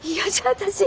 私